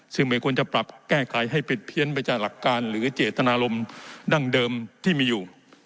ซึ่งไม่ควรจะปรับแก้ไขให้ปิดเพี้ยนไปจากหลักการหรือเจตนารมณ์ดั้งเดิมที่มีอยู่